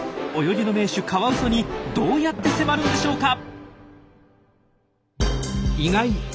泳ぎの名手カワウソにどうやって迫るんでしょうか？